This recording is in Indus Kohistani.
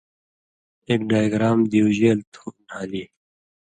ایک ڈائگرام دِیوُژېل تُھو، نھالی۔